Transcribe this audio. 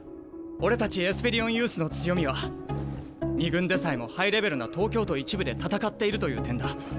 俺たちエスペリオンユースの強みは２軍でさえもハイレベルな東京都１部で戦っているという点だ。